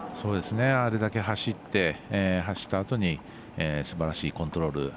あれだけ走ったあとにすばらしいコントロール。